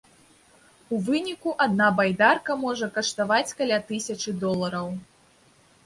У выніку адна байдарка можа каштаваць каля тысячы долараў.